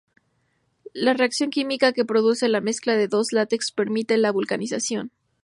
Las reacción química que produce la mezcla de los dos látex permite la vulcanización.